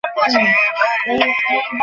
এর কারণটা কি আপনি আমাকে বলবেন?